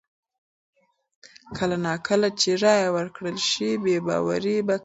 کله نا کله چې رایه ورکړل شي، بې باوري به کمه شي.